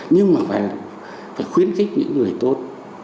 nhưng mà phải khuyến khích những người tốt